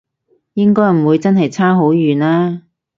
應該唔會真係差好遠啊？